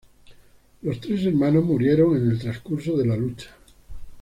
Los tres hermanos murieron en el transcurso de la lucha.